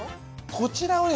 こちらをね